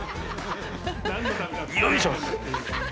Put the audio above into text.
よいしょ。